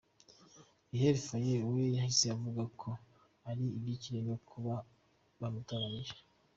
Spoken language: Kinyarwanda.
Gaël Faye ngo yahise avuga ko ‘ari iby’ikirenga kuba bamutoranyije’.